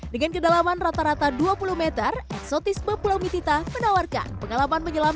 dengan kedalaman rata rata dua puluh meter eksotisme pulau mitita menawarkan pengalaman menyelam